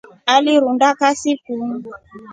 Alirunda kasi ku?